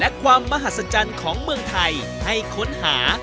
และความมหัศจรรย์ของเมืองไทยให้ค้นหา